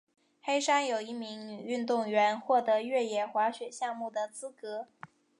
黑山有一名女运动员获得越野滑雪项目的资格。